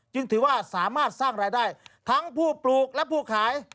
ถือว่าสามารถสร้างรายได้ทั้งผู้ปลูกและผู้ขาย